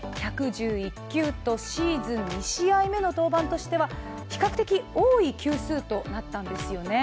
シーズン２試合目としては比較的多い球数となったんですよね。